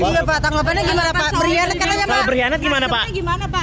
ini pak tanggapannya gimana pak berhianat gimana pak